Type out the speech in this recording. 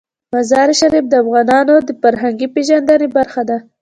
مزارشریف د افغانانو د فرهنګي پیژندنې برخه ده.